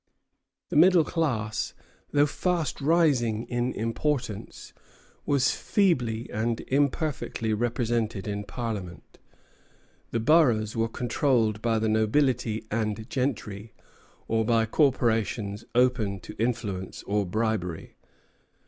The middle class, though fast rising in importance, was feebly and imperfectly represented in parliament. The boroughs were controlled by the nobility and gentry, or by corporations open to influence or bribery.